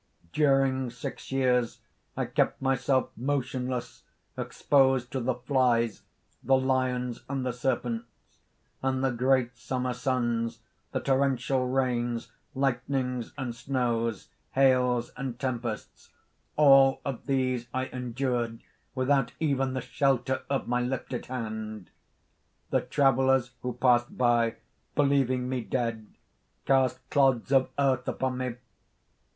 "During six years I kept myself motionless, exposed to the flies, the lions and the serpents; and the great summer suns, the torrential rains, lightnings and snows, hails and tempests, all of these I endured without even the shelter of my lifted hand. "The travellers who passed by, believing me dead, cast clods of earth upon me!